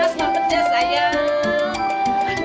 selamat ya sayang